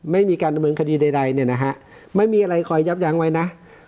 ไม่มีการดำเนินคดีใดเนี่ยนะฮะไม่มีอะไรคอยยับยั้งไว้นะ